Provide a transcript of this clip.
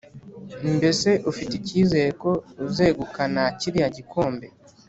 Mbese ufite icyizere ko uzegukana kiriya gikombe